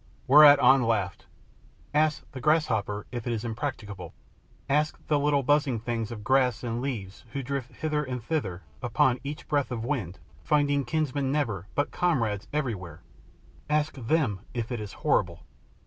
Whereat An laughed. "Ask the grasshoppers if it is impracticable; ask the little buzzing things of grass and leaves who drift hither and thither upon each breath of wind, finding kinsmen never but comrades everywhere ask them if it is horrible."